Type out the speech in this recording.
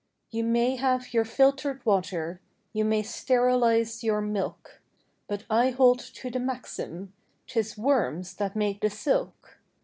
You may have your filtered water, You may sterilize your milk; But I hold to the maxim, 'Tis worms that make the silk.